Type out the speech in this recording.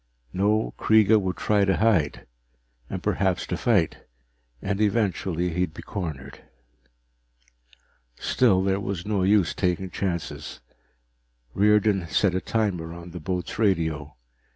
No, Kreega would try to hide, and perhaps to fight, and eventually he'd be cornered. Still, there was no use taking chances. Riordan set a timer on the boat's radio.